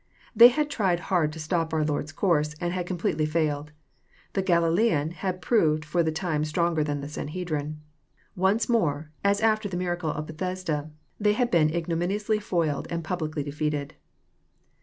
They had tried hard to stop our Lord's course, and had completely failed. The ''Galilean" had proved for the time stronger than the Sanhedrim. Once more, as after the miracle of Bethesda, they had been ignomlnlously foiled and publicly defeated.